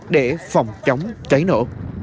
để phòng chống cháy nổ